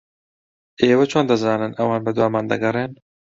ئێوە چۆن دەزانن ئەوان بەدوامان دەگەڕێن؟